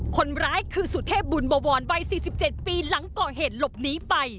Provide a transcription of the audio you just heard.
คนร้ายคือสุเทพบุญบวรวัย๔๗ปีหลังก่อเหตุหลบหนีไป